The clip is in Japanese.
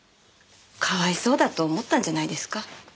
かわいそうだと思ったんじゃないですか？